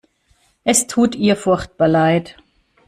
Es tut ihr furchtbar leid.